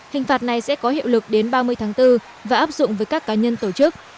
hình phạt này sẽ có hiệu lực đến ba mươi tháng bốn và áp dụng với các cá nhân tổ chức